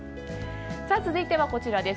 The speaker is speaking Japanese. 続いては、こちらです。